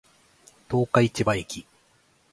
十日市場駅